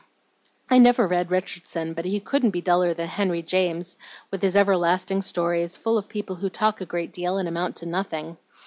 "I never read Richardson, but he couldn't be duller than Henry James, with his everlasting stories, full of people who talk a great deal and amount to nothing.